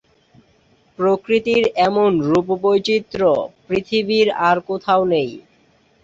প্রকৃতির এমন রূপবৈচিত্র্য পৃথিবীর আর কোথাও নেই।